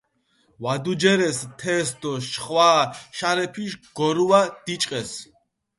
ვადუჯერეს თეს დო შხვა შარეფიში გორუა დიჭყეს.